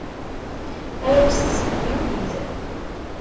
Arut s tespenyulit.